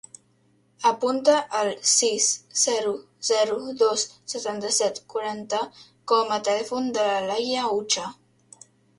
Apunta el sis, zero, zero, dos, setanta-set, quaranta com a telèfon de la Laia Ucha.